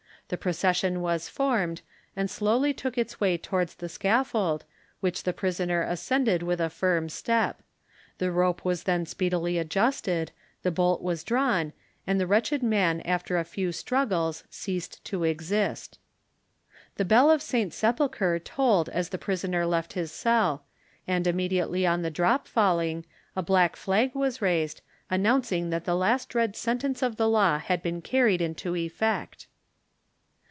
The procession was formed, and slowly took its way towards the scaffold, which the prisoner ascended with a firm step; the rope was then speedily adjusted, the bolt was drawn, and the wretched man after a few struggles ceased to exist. The bell of St. Sepulchre tolled as the prisoner left his cell; and immediately on the drop falling a black flag was raised, announcing that the last dread sentence of the law had been carried into effect.